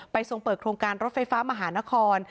ทรงเปิดโครงการรถไฟฟ้ามหานคร